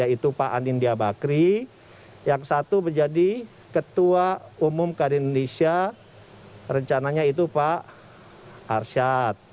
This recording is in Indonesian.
yaitu pak anindya bakri yang satu menjadi ketua umum kadin indonesia rencananya itu pak arsyad